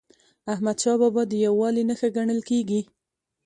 احمدشاه بابا د یووالي نښه ګڼل کېږي.